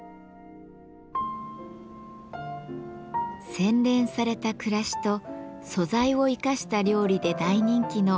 洗練された暮らしと素材を生かした料理で大人気の料理研究家